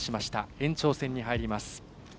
延長戦に入ります。